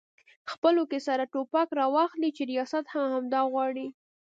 خپلو کې سره ټوپک راواخلي چې ریاست هم همدا غواړي؟